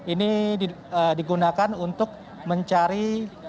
ini digunakan untuk mencari